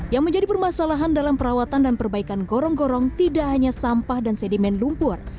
yang menjadi permasalahan dalam perawatan dan perbaikan gorong gorong tidak hanya sampah dan sedimen lumpur